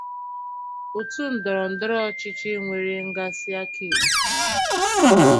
Otu ndọrọndọrọ ọchịchị nwere nghazi aka ekpe.